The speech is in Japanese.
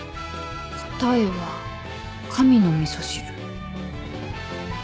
答えは神の味噌汁。